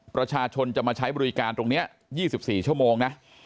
ประชาชนจะมาใช้บริการตรงนี้๒๔ชั่วโมงนะ